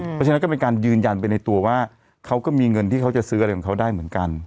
เพราะฉะนั้นก็เป็นการยืนยันไปในตัวว่าเขาก็มีเงินที่เขาจะซื้ออะไรของเขาได้เหมือนกัน